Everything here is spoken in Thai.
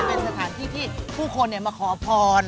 เป็นสถานที่ที่ผู้คนมาขอพร